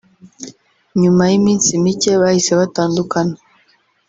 nyuma y’iminsi mike bahise batandukana